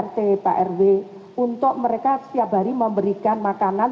rt prw untuk mereka setiap hari memberikan makanan